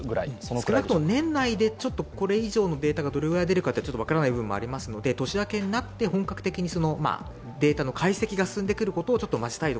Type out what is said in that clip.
少なくとも年内でこれ以上のデータが出るかちょっと分からない部分もありますので、年明けになって本格的にデータの解析が進んでくるところを待ちたいと。